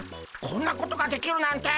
こんなことができるなんて。